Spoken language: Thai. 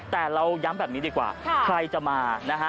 แต่เราย้ำแบบนี้ดีกว่าใครจะมานะฮะ